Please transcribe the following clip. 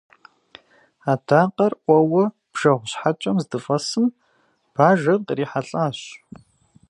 Адакъэр ӏуэуэ бжэгъу щхьэкӏэм здыфӏэсым, бажэр кърихьэлӏащ.